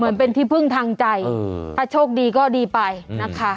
เหมือนเป็นที่พึ่งทางใจถ้าโชคดีก็ดีไปนะคะ